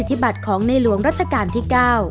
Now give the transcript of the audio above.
จุดที่๓รวมภาพธนบัตรที่ระลึกรัชกาลที่๙